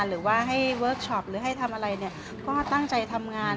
หรือว่าให้เวิร์คชอปหรือให้ทำอะไรเนี่ยก็ตั้งใจทำงาน